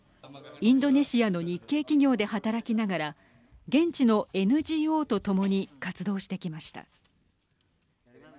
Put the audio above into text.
インドネシアの日系企業で働きながら現地のＮＧＯと共に活動してきました。